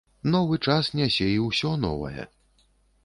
Новы час нясе і ўсё новае.